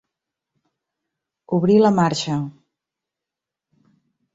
Obrir la marxa.